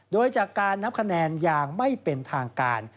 โดยจากการนับคะแนนอย่างไม่เป็นทางการ